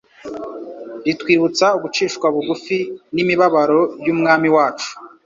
ritwibutsa ugucishwa bugufi n'imibabaro y'Umwami wacu.